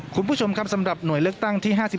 คุณผู้ชมครับสำหรับหน่วยเลือกตั้งที่๕๓